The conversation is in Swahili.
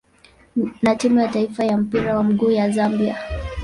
na timu ya taifa ya mpira wa miguu ya Zambia.